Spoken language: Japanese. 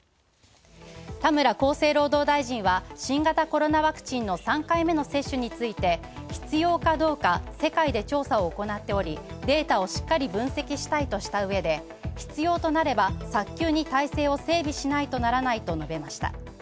田村厚生労働大臣は、新型コロナワクチンの３回目の接種について必要かどうか世界で調査を行っており、データをしっかり分析したいとした上で必要となれば早急に態勢を整備しないとならないと述べました。